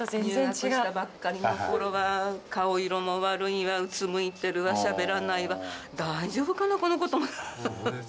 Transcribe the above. もうね入学したばっかりの頃は顔色も悪いわうつむいてるわしゃべらないわ「大丈夫かなこの子」と。